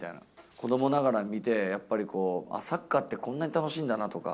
子どもながらに見て、やっぱりサッカーって、こんなに楽しいんだなとか。